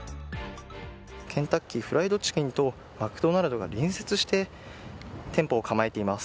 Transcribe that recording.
ケンタッキーフライドチキンとマクドナルドが隣接して店舗を構えています。